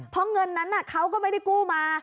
เพราะเงินนั้นเขาก็ไม่ได้กู้มา